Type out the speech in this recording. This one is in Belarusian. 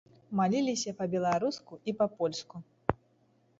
Маліліся па-беларуску і па-польску.